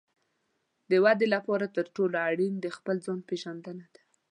د ودې لپاره تر ټولو اړین د خپل ځان پېژندنه ده.